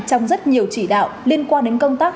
trong rất nhiều chỉ đạo liên quan đến công tác